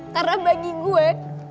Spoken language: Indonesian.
karena bagi gue